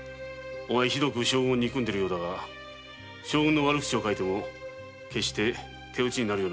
ひどく将軍を憎んでいるようだが将軍の悪口を書いても絶対手討ちにはならん。